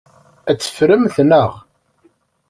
Ad t-teffremt, naɣ?